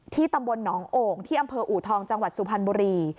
ตำบลหนองโอ่งที่อำเภออูทองจังหวัดสุพรรณบุรี